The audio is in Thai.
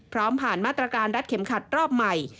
ผ่านมาตรการรัดเข็มขัดรอบใหม่